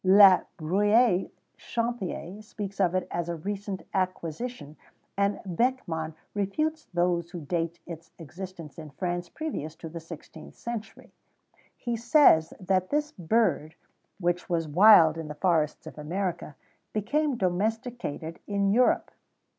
La Bruyère Champier speaks of it as a recent acquisition, and Beckmann refutes those who date its existence in France previous to the 16th century. He says that this bird, which was wild in the forests of America, became domesticated in Europe.